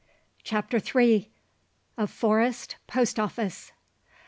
CHAPTER THREE. A FOREST POST OFFICE.